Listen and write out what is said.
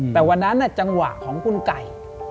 แต่วันนั้นจังหวะของคุณไก่